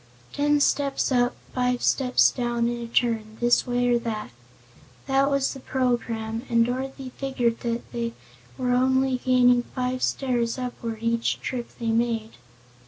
Ten steps up, five steps down, and a turn, this way or that. That was the program, and Dorothy figured that they were only gaining five stairs upward each trip that they made.